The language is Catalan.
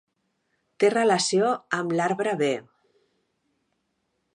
Té relació amb l'arbre-B.